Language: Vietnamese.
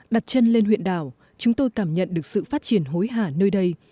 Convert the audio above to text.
đặt chân lên huyện đảo chúng tôi cảm nhận được sự phát triển hối hả nơi đây